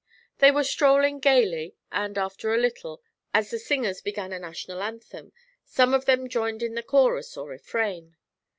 They were strolling gaily, and after a little, as the singers began a national anthem, some of them joined in the chorus or refrain.